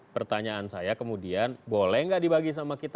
pertanyaan saya kemudian boleh enggak dibagi sama anda